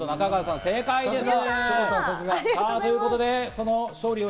中川さん、正解です。